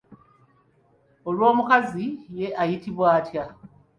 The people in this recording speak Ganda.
Olwo omukazi ye ayitibwa atya?